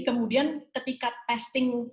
kemudian ketika testing